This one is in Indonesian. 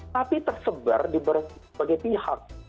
tapi tersebar sebagai pihak